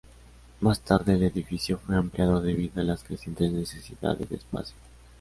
Más tarde el edificio fue ampliado debido a las crecientes necesidades de espacio.